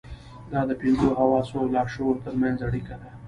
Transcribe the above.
دا د پنځو حواسو او لاشعور ترمنځ اړيکه ده.